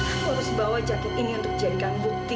aku harus bawa jaket ini untuk dijadikan bukti